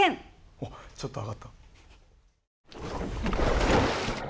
おっちょっと上がった。